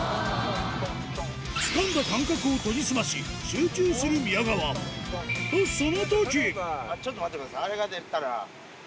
つかんだ感覚を研ぎ澄まし集中する宮川ちょっと待ってください。